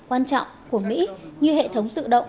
các ngành công nghiệp mới quan trọng của mỹ như hệ thống tự động